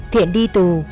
thiện đi tù